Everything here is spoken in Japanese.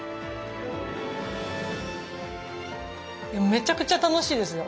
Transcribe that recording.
めちゃくちゃ楽しいですよ